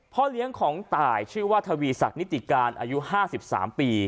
พ่อเลี้ยงของตายชื่อว่าทวีศักดิติการอายุ๕๓ปี